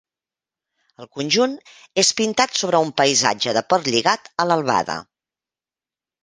El conjunt és pintat sobre un paisatge de Portlligat a l'albada.